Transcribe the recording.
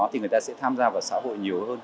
thì người ta sẽ tham gia vào xã hội nhiều hơn